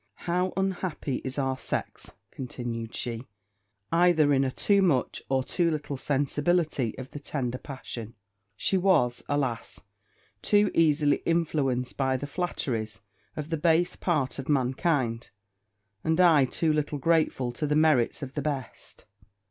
'How unhappy is our sex!' continued she, 'either in a too much or too little sensibility of the tender passion! She was, alas! too easily influenced by the flatteries of the base part of mankind; and I too little grateful to the merits of the best.'